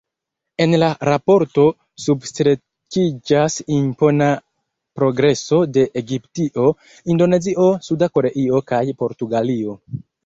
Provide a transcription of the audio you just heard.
En la raporto substrekiĝas impona progreso de Egiptio, Indonezio, Suda Koreio kaj Portugalio.